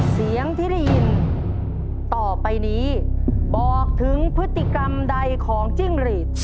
เสียงที่ได้ยินต่อไปนี้บอกถึงพฤติกรรมใดของจิ้งหรีด